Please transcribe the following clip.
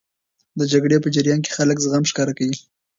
د جګړې په جریان کې خلک زغم ښکاره کوي.